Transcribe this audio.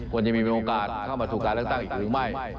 ควรจะมีโอกาสเข้ามาสู่การเลือกตั้งอีกหรือไม่